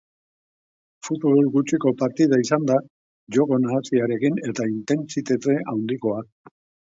Futbol gutxiko partida izan da, joko nahasiarekin eta intentsitate handikoa.